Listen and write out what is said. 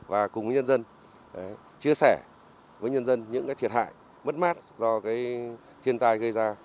và cùng với nhân dân chia sẻ với nhân dân những thiệt hại mất mát do thiên tai gây ra